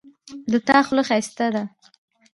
د تا خولی ښایسته ده